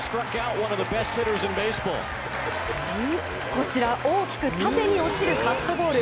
こちら、大きく縦に落ちるカットボール。